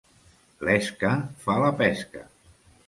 L'esca fa la pesca.